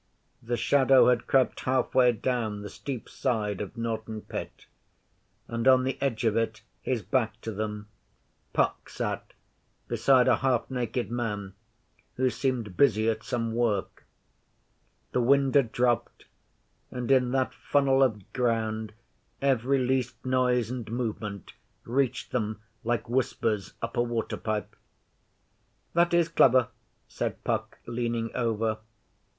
The shadow had crept halfway down the steep side of Norton Pit, and on the edge of it, his back to them, Puck sat beside a half naked man who seemed busy at some work. The wind had dropped, and in that funnel of ground every least noise and movement reached them like whispers up a water Pipe. 'That is clever,' said Puck, leaning over.